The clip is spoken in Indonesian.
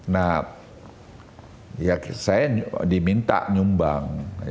nah ya saya diminta nyumbang